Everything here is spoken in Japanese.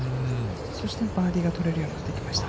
そしてバーディーが取れるようになってきました。